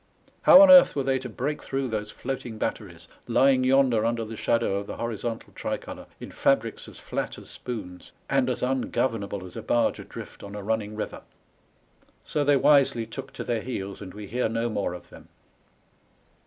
How on earth were they to break through those floating batteries, lying yonder under the shadow of the horizontal tri colour in fabrics as fiat as spoons, and as ungovernable as a barge adrift on a running river ? So they wisely took to their heels, 308 8PANI83 ABMADA. and we hear n^ more of them.